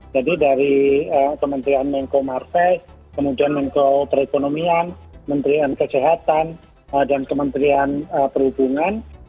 jadi dari kementerian menko marseille kemudian menko perekonomian menterian kesehatan dan kementerian perhubungan